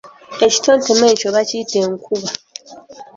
Ekitontome ekyo bakiyita enkuba.